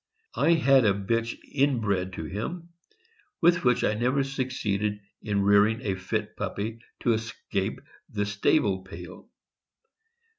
I had a bitch inbred to him, with which I never succeeded in rear ing a fit puppy to escape the stable pail.